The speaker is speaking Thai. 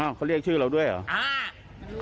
เขาเรียกชื่อเราด้วยเหรอ